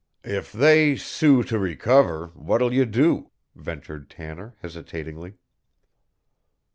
"If they sue to recover, what'll you do?" ventured Tanner hesitatingly.